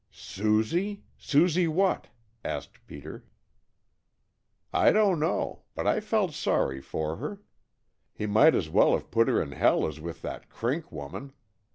"Susie? Susie what?" asked Peter. "I don't know, but I felt sorry for her. He might as well have put her in hell as with that Crink woman.